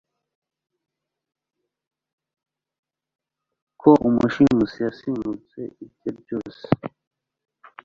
Ko umushimusi yasunitse ibye byose